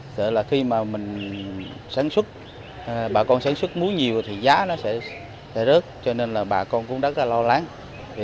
sợ là khi mà mình sản xuất bà con sản xuất muối nhiều thì giá nó sẽ rớt cho nên là bà con cũng rất là lo lắng